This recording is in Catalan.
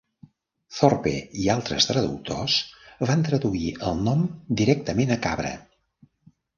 Thorpe i d'altres traductors van traduir el nom directament a "cabra".